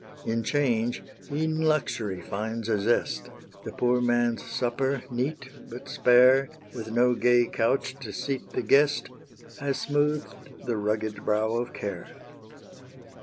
In change e'en luxury finds a zest: The poor man's supper, neat, but spare, With no gay couch to seat the guest, Has smooth'd the rugged brow of care.